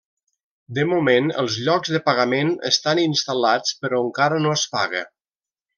De moment els llocs de pagament estan instal·lats però encara no es paga.